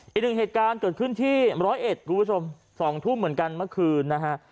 อีกหนึ่งเหตุการณ์เกิดขึ้นที่๑๐๑ส่วน๒ทุ่มเหมือนกันเมื่อคืนนะฮะ